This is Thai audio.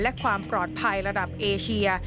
และความปลอดภัยระดับเอเชีย